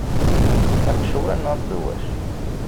Aqecwal neɣ aqelwac?